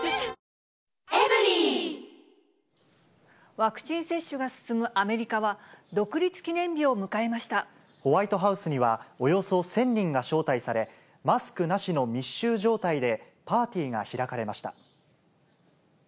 ワクチン接種が進むアメリカは、ホワイトハウスにはおよそ１０００人が招待され、マスクなしの密集状態でパーティーが開かれました。